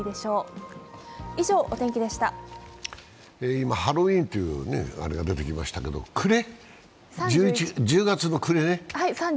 今、ハロウィーンと出てきましたけど１０月の暮れね。